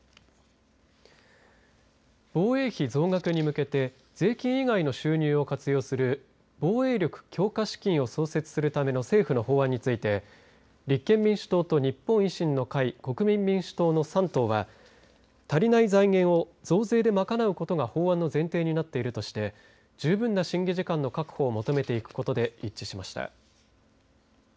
防衛費増額に向けて税金以外の収入を活用する防衛力強化資金を創設するための政府の法案について立憲民主党と日本維新の会国民民主党の３党は足りない財源を増税で賄うことが法案の前提となっているとして十分な審議時間の確保を求めていくことで一致しました。